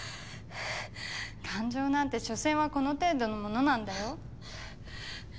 感情なんてしょせんはこの程度のものなんだよ。